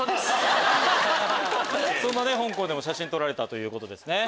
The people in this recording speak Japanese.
そんな香港でも写真撮られたということですね。